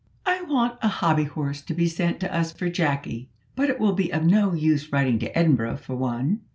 "I want a hobby horse to be sent to us for Jacky; but it will be of no use writing to Edinburgh for one.